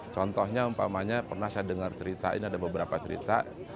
contohnya pernah saya dengar cerita ini ada beberapa cerita